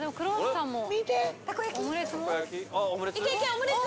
オムレツ？